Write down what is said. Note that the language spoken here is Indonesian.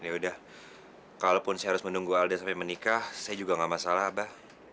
ya udah kalaupun saya harus menunggu alda sampai menikah saya juga gak masalah abah